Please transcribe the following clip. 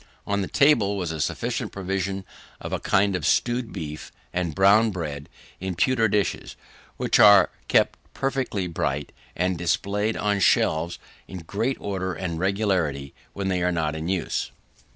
On the table was a sufficient provision of a kind of stewed beef and brown bread, in pewter dishes, which are kept perfectly bright, and displayed on shelves in great order and regularity when they are not in use.